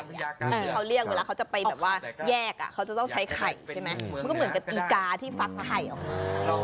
ที่เขาเรียกเวลาเขาจะไปแบบว่าแยกเขาจะต้องใช้ไข่ใช่ไหมมันก็เหมือนกับอีกาที่ฟักไข่ออกมา